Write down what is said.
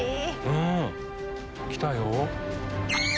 うん来たよ。